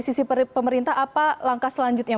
sisi pemerintah apa langkah selanjutnya